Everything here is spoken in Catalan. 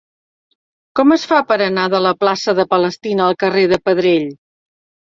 Com es fa per anar de la plaça de Palestina al carrer de Pedrell?